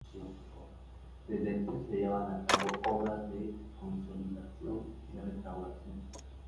Desde entonces se llevan a cabo obras de consolidación y restauración.